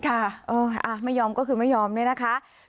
ค่ะไม่ยอมก็คือไม่ยอมเนี่ยนะคะ